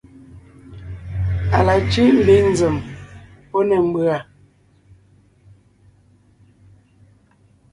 À la cʉ́ʼ ḿbiŋ nzèm pɔ́ ne ḿbʉ̀a.